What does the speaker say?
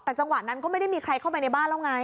แต่จังหวะนั้นก็ไม่ได้มีใครเข้าไปในบ้านแล้วไง